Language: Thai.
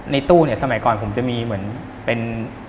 ในตู้เนี่ยสมัยก่อนผมจะมีเหมือนเป็น